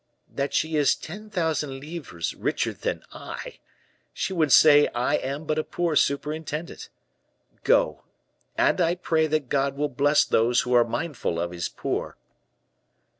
"That she is ten thousand livres richer than I. She would say I am but a poor superintendent! Go! and I pray that God will bless those who are mindful of his poor!"